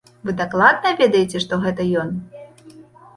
Вы дакладна ведаеце, што гэта ён?